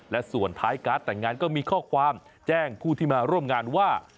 และส่วนท้ายการ์ดแต่งงานก็มีข้อความแจ้งผู้ที่มาร่วมงานว่า